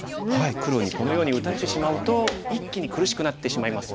黒にこのように打たれてしまうと一気に苦しくなってしまいます。